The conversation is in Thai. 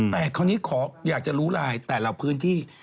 แต่คราวนี้ขออยากจะรู้ไลน์แต่ละพื้นที่